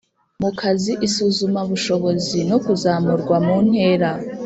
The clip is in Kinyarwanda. mu kazi isuzumabushobozi no kuzamurwa mu ntera.